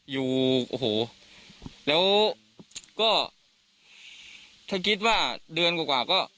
อยู่โอ้โหแล้วก็ถ้าคิดว่าเดือนกว่าก็